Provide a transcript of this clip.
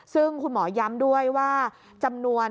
ซึ่งคุณหมอย้ำด้วยว่า